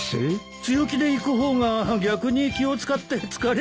強気でいく方が逆に気を使って疲れるよ。